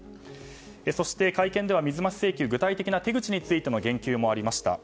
そして、会見では水増し請求具体的な手口についての言及もありました。